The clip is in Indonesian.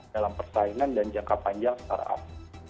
dalam persaingan dan jangka panjang startup